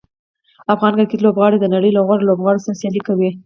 افغان کرکټ لوبغاړي د نړۍ له غوره لوبغاړو سره سیالي کوي.